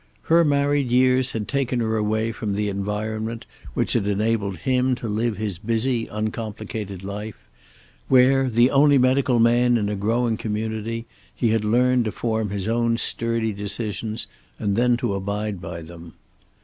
Her married years had taken her away from the environment which had enabled him to live his busy, uncomplicated life; where, the only medical man in a growing community, he had learned to form his own sturdy decisions and then to abide by them.